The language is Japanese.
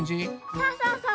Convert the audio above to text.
そうそうそう。